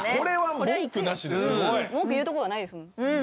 文句言うとこがないですもんうん